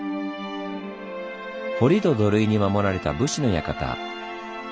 堀と土塁に守られた武士の館。